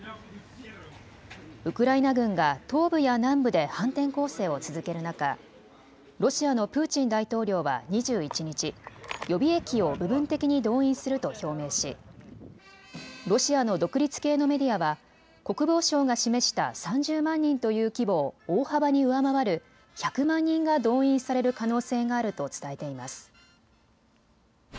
ウクライナ軍が東部や南部で反転攻勢を続ける中、ロシアのプーチン大統領は２１日、予備役を部分的に動員すると表明しロシアの独立系のメディアは国防省が示した３０万人という規模を大幅に上回る１００万人が動員される可能性があると伝えています。